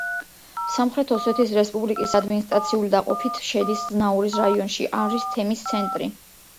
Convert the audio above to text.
სამხრეთ ოსეთის რესპუბლიკის ადმინისტრაციული დაყოფით შედის ზნაურის რაიონში, არის თემის ცენტრი.